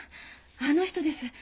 あの人です。